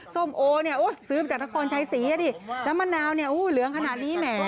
ส้มโอเนี่ยซื้อมาจากนครชัยศรีอ่ะดิแล้วมะนาวเนี่ยเหลืองขนาดนี้แหม